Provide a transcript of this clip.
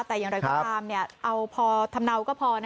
แต่อย่างไรก็ทำเอาพอทำเนาก็พอนะครับ